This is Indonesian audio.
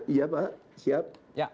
iya pak siap